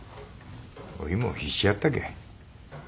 おいも必死やったけん。